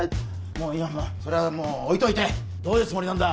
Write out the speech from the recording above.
もういいやそれはもう置いといてどういうつもりなんだ？